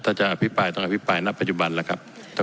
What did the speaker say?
ถ้าจะอภิปรายต้องอภิปรายณปัจจุบันแล้วครับ